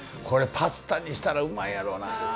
これパスタにしたらうまいやろうな。